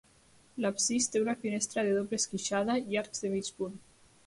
L'absis té una finestra de doble esqueixada i arcs de mig punt.